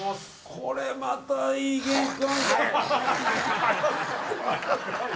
これまたいい玄関。